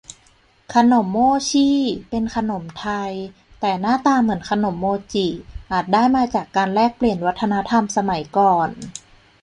ขนมโม่ชี่ เป็นขนมไทย แต่หน้าตาเหมือนขนมโมจิ อาจได้มาจากการแลกเปลี่ยนวัฒนธรรมสมัยก่อน